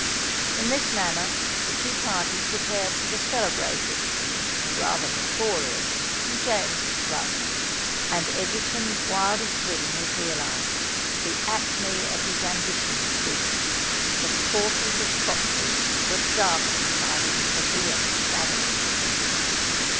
In this manner the two parties repaired to the celebrated—or rather notorious—Saint James's Club; and Egerton's wildest dream was realized—the acmé of his ambition was reached—the portals of Crockford's were darkened by his plebeian shadow!